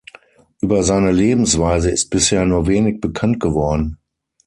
Über seine Lebensweise ist bisher nur wenig bekannt geworden.